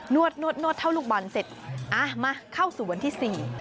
นวดเท่าลูกบอลเสร็จมาเข้าสู่วันที่๔